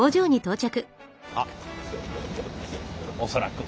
あっ恐らく。